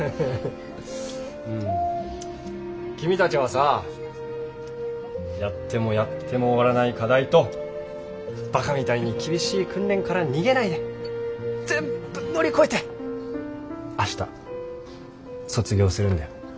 君たちはさやってもやっても終わらない課題とバカみたいに厳しい訓練から逃げないで全部乗り越えて明日卒業するんだよ。